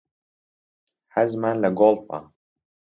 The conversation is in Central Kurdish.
حەزمان لە گۆڵفە.